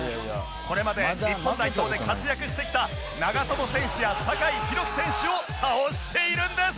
これまで日本代表で活躍してきた長友選手や酒井宏樹選手を倒しているんです